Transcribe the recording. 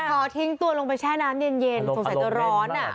พอทิ้งตัวลงไปแช่น้ำเย็นสงสัยจะร้อน